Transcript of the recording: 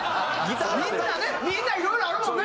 みんなねみんないろいろあるもんね